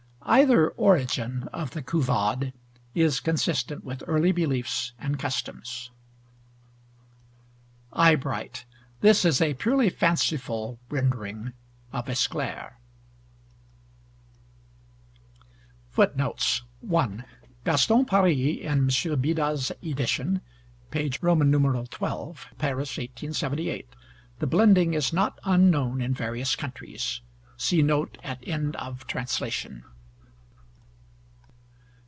Either origin of the Couvade is consistent with early beliefs and customs. EYEBRIGHT. This is a purely fanciful rendering of Esclaire. Footnotes: Gaston Paris, in M. Bida's edition, p. xii. Paris, 1878. The blending is not unknown in various countries. See note at end of Translation.